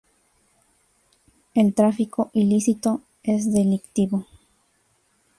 El tráfico ilícito es delictivo.